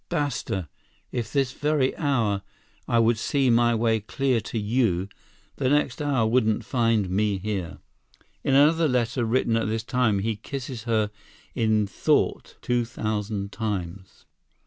Basta!—if this very hour I could see my way clear to you, the next hour wouldn't find me here." In another letter written at this time he kisses her "in thought two thousand times."